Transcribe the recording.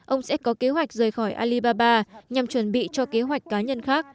ông sẽ có kế hoạch rời khỏi alibaba nhằm chuẩn bị cho kế hoạch cá nhân khác